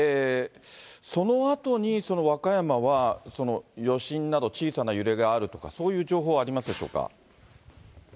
そのあとに、和歌山は余震など、小さな揺れがあるとか、そういう情報はありますでしょうか。